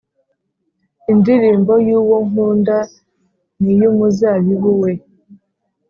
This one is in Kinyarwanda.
indirimbo y’uwo nkunda n’iy’umuzabibu we.